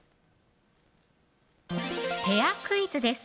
ペアクイズです